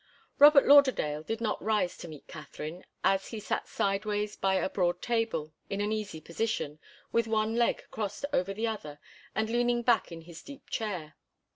Robert Lauderdale did not rise to meet Katharine, as he sat sideways by a broad table, in an easy position, with one leg crossed over the other and leaning back in his deep chair.